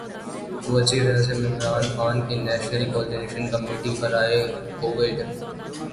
وزیرِ اعظم عمران خان کی نیشنل کوارڈینیشن کمیٹی برائے کوویڈ